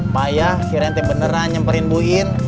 bayang kira kira beneran nyemperin buin